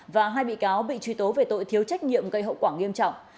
và hai bị cáo bị truy tố về tội thiếu trách nhiệm gây hậu quả nghiêm trọng